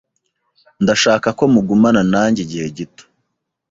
Ndashaka ko mugumana nanjye igihe gito.